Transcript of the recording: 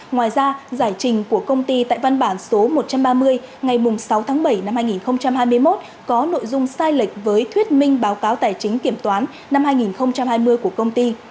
ngoài ra giải trình của công ty tại văn bản số một trăm ba mươi ngày sáu tháng bảy năm hai nghìn hai mươi một có nội dung sai lệch với thuyết minh báo cáo tài chính kiểm toán năm hai nghìn hai mươi của công ty